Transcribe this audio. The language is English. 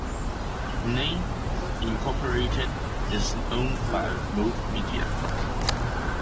Ning, Incorporated is owned by Mode Media.